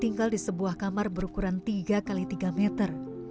tinggal di sebuah kamar berukuran tiga x tiga meter